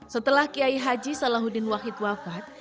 setelah kiai haji salahuddin wahid wafat